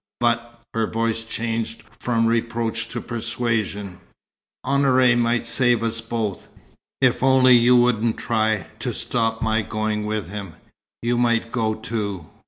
But" her voice changed from reproach to persuasion "Honoré might save us both. If only you wouldn't try to stop my going with him, you might go too.